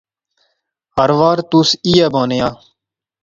ہر وار تس ایئی بانے آ